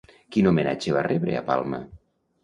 Quin homenatge va rebre a Palma?